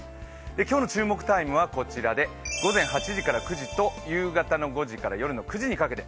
今日の注目タイムはこちらで午前８時から９時と、夕方の５時から夜の９時にかけて。